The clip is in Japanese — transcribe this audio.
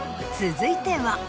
続いては。